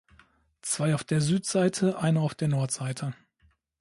Zwei auf der Südseite, eine auf der Nordseite.